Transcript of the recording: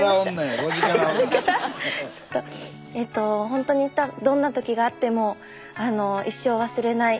ほんとにどんな時があっても一生忘れない。